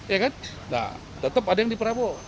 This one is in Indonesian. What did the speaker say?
ya kan nah tetap ada yang di prabowo